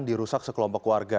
dirusak sekelompok keluarga